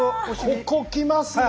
ここきますね！